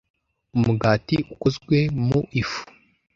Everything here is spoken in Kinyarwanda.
Umugati ukozwe mu ifu.